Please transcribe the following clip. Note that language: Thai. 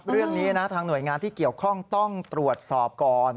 เรื่องนี้นะทางหน่วยงานที่เกี่ยวข้องต้องตรวจสอบก่อน